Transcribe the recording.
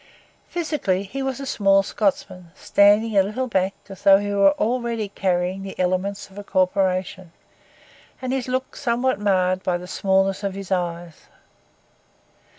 Physically he was a small Scotsman, standing a little back as though he were already carrying the elements of a corporation, and his looks somewhat marred by the smallness of his eyes.